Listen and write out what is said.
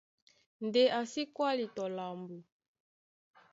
Ndé a sí kwáli tɔ lambo.